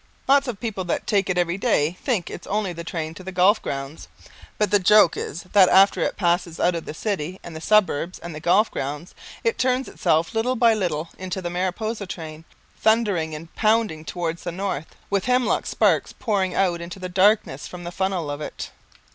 Lots of people that take it every day think it's only the train to the golf grounds, but the joke is that after it passes out of the city and the suburbs and the golf grounds, it turns itself little by little into the Mariposa train, thundering and pounding towards the north with hemlock sparks pouring out into the darkness from the funnel of it.